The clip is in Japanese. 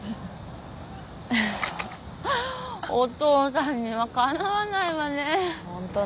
ハハッお父さんにはかなわないわね。